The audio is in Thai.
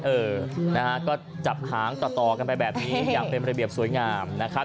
เออนะฮะก็จับหางต่อกันไปแบบนี้อย่างเป็นระเบียบสวยงามนะครับ